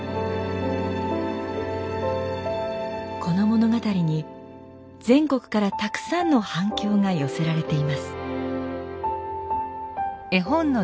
この物語に全国からたくさんの反響が寄せられています。